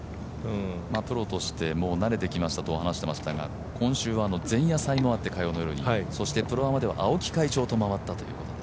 プロとして慣れてきましたと話していましたが、今週は火曜の夜に前夜祭もあってそしてプロアマでは青木会長と回ったという。